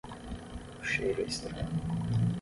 O cheiro é estranho.